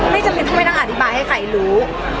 ไม่จำเป็นที่ไม่ต้องอธิบายให้ใครรู้